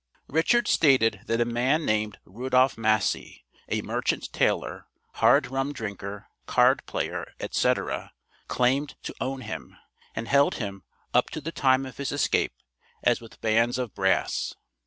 Richard stated that a man named "Rudolph Massey, a merchant tailor, hard rum drinker, card player, etc." claimed to own him, and had held him, up to the time of his escape, as with bands of brass.